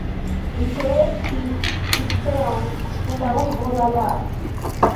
Li ĉeestis liceon en la urbo Da Lat.